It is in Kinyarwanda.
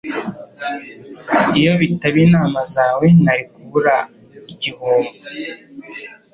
Iyo bitaba inama zawe, nari kubura igihombo.